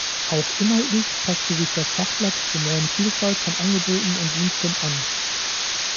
Auch inhaltlich passte sich das Fachblatt der neuen Vielfalt von Angeboten und Diensten an.